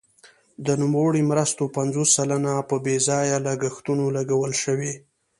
د نوموړو مرستو پنځوس سلنه په بې ځایه لګښتونو لګول شوي.